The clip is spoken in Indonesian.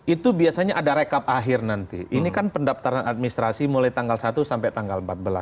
itu biasanya ada rekap akhir nanti ini kan pendaftaran administrasi mulai tanggal satu sampai tanggal empat belas